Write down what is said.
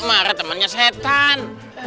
marah temennya setan